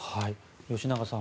吉永さん